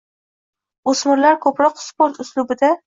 O‘smirlar ko‘proq sport uslubida.